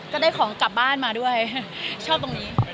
ก็ได้ของกลับบ้านมาด้วยชอบตรงนี้